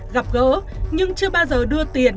gặp gỡ nhưng chưa bao giờ đưa tiền